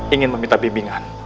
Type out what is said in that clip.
ingin meminta pembimbingan